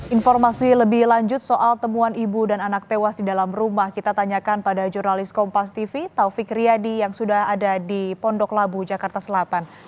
informasi lebih lanjut soal temuan ibu dan anak tewas di dalam rumah kita tanyakan pada jurnalis kompas tv taufik riyadi yang sudah ada di pondok labu jakarta selatan